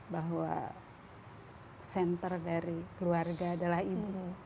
bahwa center dari keluarga adalah ibu